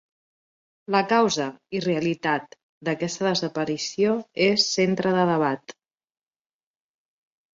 La causa –i realitat– d'aquesta desaparició és centre de debat.